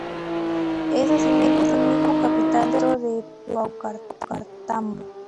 Es asimismo capital del distrito de Paucartambo.